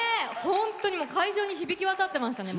本当に会場に響き渡ってましたね。